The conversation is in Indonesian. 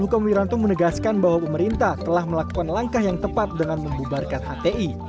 hukum wiranto menegaskan bahwa pemerintah telah melakukan langkah yang tepat dengan membubarkan hti